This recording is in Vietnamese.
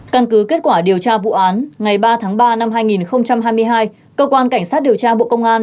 căn cứ kết quả điều tra vụ án ngày ba tháng ba năm hai nghìn hai mươi hai cơ quan cảnh sát điều tra bộ công an